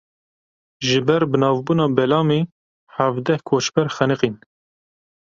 Ji ber binavbûna belemê hevdeh koçber xeniqîn.